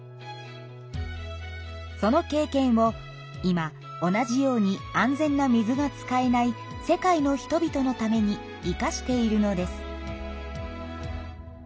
その経験を今同じように安全な水が使えない世界の人々のために生かしているのです。